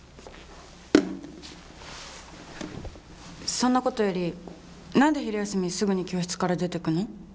そんなことより何で昼休みすぐに教室から出てくの？